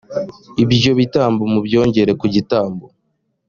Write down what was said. ibyo bitambo mubyongere ku gitambo